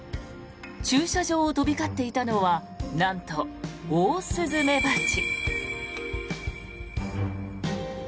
駐車場を飛び交っていたのはなんと、オオスズメバチ。